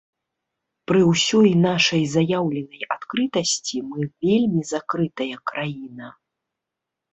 Пры ўсёй нашай заяўленай адкрытасці мы вельмі закрытая краіна.